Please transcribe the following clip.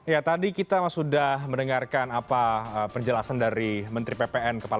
ya tadi kita sudah mendengarkan apa perjelasan dari menteri ppn kepala bapak naswar somonu